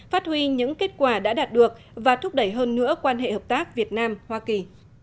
phát huy những kết quả đã đạt được và thúc đẩy hơn nữa quan hệ hợp tác việt nam hoa kỳ